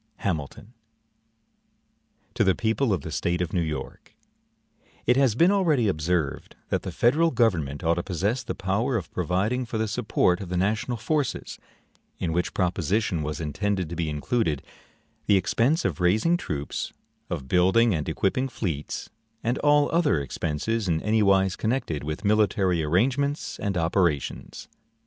HAMILTON To the People of the State of New York: IT HAS been already observed that the federal government ought to possess the power of providing for the support of the national forces; in which proposition was intended to be included the expense of raising troops, of building and equipping fleets, and all other expenses in any wise connected with military arrangements and operations.